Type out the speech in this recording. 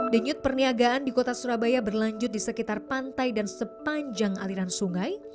denyut perniagaan di kota surabaya berlanjut di sekitar pantai dan sepanjang aliran sungai